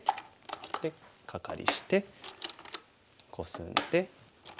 でカカリしてコスんで。